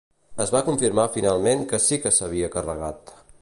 Es va confirmar finalment que sí que s'havia carregat.